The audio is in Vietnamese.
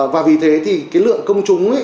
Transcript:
và vì thế thì cái lượng công chúng ấy